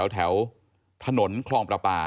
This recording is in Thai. แถวถนนคลองประปา